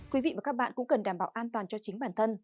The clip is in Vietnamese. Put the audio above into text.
quý vị và các bạn cũng cần đảm bảo an toàn cho chính bản thân